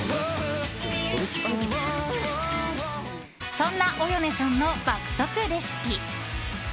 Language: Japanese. そんな、およねさんの「爆速レシピ」。